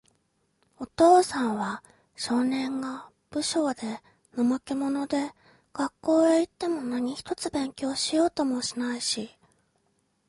お父さんは、少年が、無精で、怠け者で、学校へいっても何一つ勉強しようともしないし、